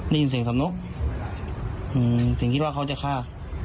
ได้ยินเสียงสำนกถึงคิดว่าเขาจะฆ่า